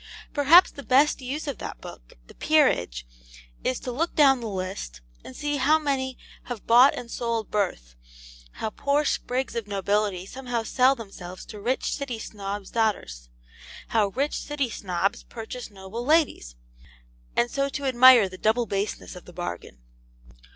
Perhaps the best use of that book, the 'Peerage,' is to look down the list, and see how many have bought and sold birth, how poor sprigs of nobility somehow sell themselves to rich City Snobs' daughters, how rich City Snobs purchase noble ladies and so to admire the double baseness of the bargain.